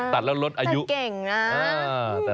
แต่เก่งนะ